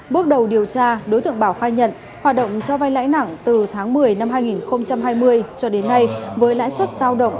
bước đầu điều tra đối tượng bảo khai nhận hoạt động cho vai lãi nặng từ tháng một mươi năm hai nghìn hai mươi cho đến nay với lãi suất giao động